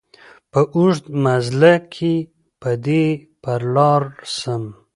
په اوږد مزله کي به دي پر لار سم